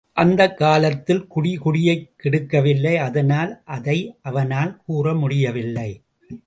அந்தக் காலத்தில் குடி குடியைக் கெடுக்கவில்லை அதனால் அதை அவனால் கூற முடியவில்லை.